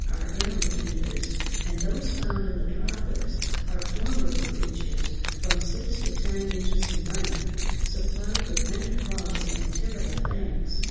165), are animal feeders, and those found in the tropics are formidable creatures from six to ten inches in length, supplied with many claws and terrible fangs.